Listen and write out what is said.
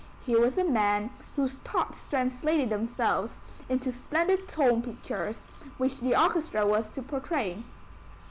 Here was a man whose thoughts translated themselves into splendid tone pictures which the orchestra was to portray.